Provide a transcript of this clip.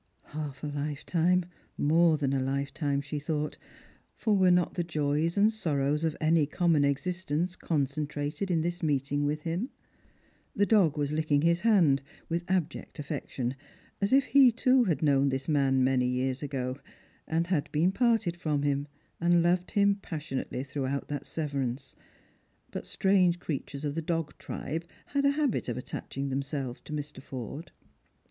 Half a hfetime, more than a lifetime, she thought ; for were not the joys and sorrows of any common existence concentrated in this meeting with him ? The dog was licking his hand, with abject affection, as if he too had known this man years ago, and been parted from him, and loved him passionately throughout that severance; but strange creatures of the dog tribe had a habit of attaching themselves to Mr. Forde.